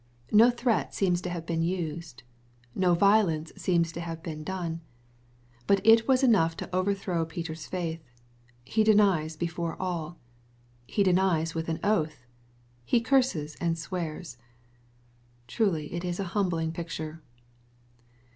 No threat seems to have been used. No violence seems to have been done. But it was enough to overthrow Peter's faith. He denies before all. He denies with an oath. He curses and swears.— Truly it is a humbling picture